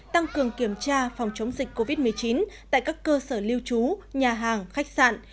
tăng cường kiểm tra phòng chống dịch covid một mươi chín tại các cơ sở lưu trú nhà hàng khách sạn